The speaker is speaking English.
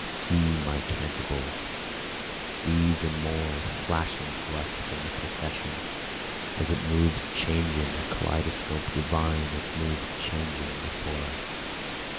See my cantabile! these and more are flashing to us from the procession, As it moves changing, a kaleidoscope divine it moves changing before us.